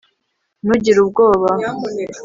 ntugire ubwoba